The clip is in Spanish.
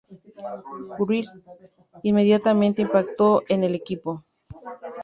Wright inmediatamente impactó en el equipo.